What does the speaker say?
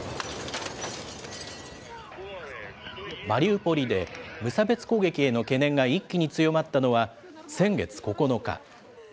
マリウポリで無差別攻撃への懸念が一気に強まったのは、先月９日。